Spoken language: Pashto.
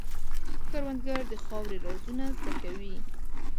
کروندګر د خاورې رازونه زده کوي